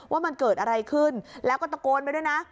ว่ามันเกิดอะไรขึ้นแล้วก็ตะโกนไปด้วยนะ